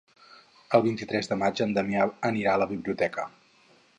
El vint-i-tres de maig en Damià anirà a la biblioteca.